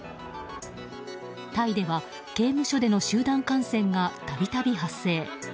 タイでは刑務所での集団感染がたびたび発生。